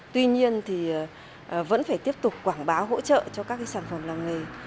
tuy nhiên thì vẫn phải tiếp tục quảng bá hỗ trợ cho các cái sản phẩm làng nghề